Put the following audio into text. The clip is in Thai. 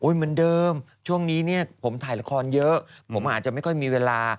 เหมือนเดิมช่วงนี้เนี่ยผมถ่ายละครเยอะผมอาจจะไม่ค่อยมีเวลา